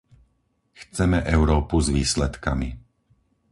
Chceme Európu s výsledkami.